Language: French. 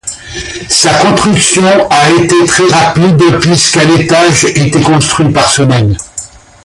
Sa construction a été très rapide puisqu'un étage était construit par semaine.